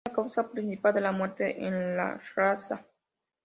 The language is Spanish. Es la causa principal de muerte en la raza.